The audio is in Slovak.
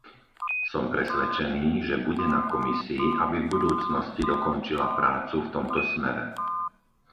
Som presvedčený, že bude na Komisii, aby v budúcnosti dokončila prácu v tomto smere.